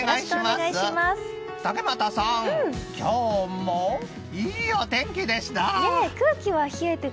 竹俣さん、今日もいいお天気でした！